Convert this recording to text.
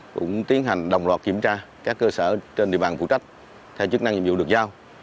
cũng tiến hành đồng loạt kiểm tra các cơ sở trên địa bàn phụ trách theo chức năng nhiệm vụ được giao